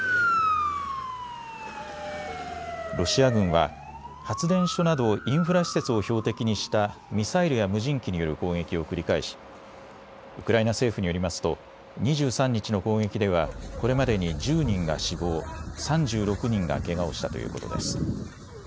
ロシア軍は発電所などインフラ施設を標的にしたミサイルや無人機による攻撃を繰り返しウクライナ政府によりますと２３日の攻撃ではこれまでに１０人が死亡、３６人がけがをしたということです。